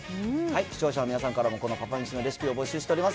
視聴者の皆さんからもこのパパめしのレシピを募集しております。